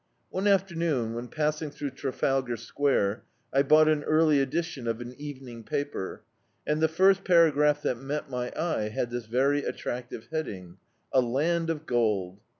One afternoon, when passing through Trafalgar Square, I bought an early edition of an evening paper, and the first paragraph that met my eye had this very attractive heading — "A Land of Gold."